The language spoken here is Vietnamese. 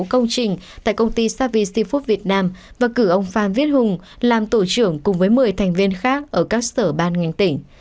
công trình tại công ty savi food việt nam và cử ông phan viết hùng làm tổ trưởng cùng với một mươi thành viên khác ở các sở ban ngành tỉnh